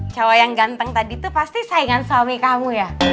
cowok yang ganteng tadi itu pasti saingan suami kamu ya